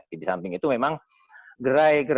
jadi disamping itu memang gerai gerai berguna guna